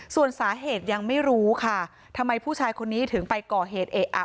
ส่วนสาเหตุยังไม่รู้ค่ะทำไมผู้ชายคนนี้ถึงไปก่อเหตุเอะอะ